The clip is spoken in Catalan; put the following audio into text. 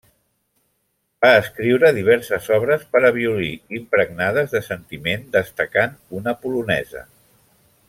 Va escriure diverses obres per a violí, impregnades de sentiment, destacant una polonesa.